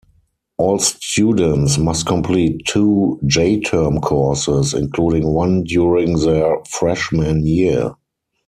All students must complete two J-Term courses, including one during their freshman year.